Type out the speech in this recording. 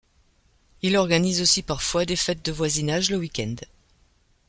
Il organise aussi parfois des fêtes de voisinage le week-end.